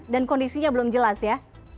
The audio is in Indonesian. kondisinya belum jelas ya